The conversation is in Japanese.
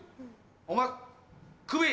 お前クビ。は？